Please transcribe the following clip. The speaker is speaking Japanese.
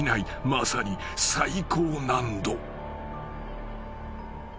まさに最高難度］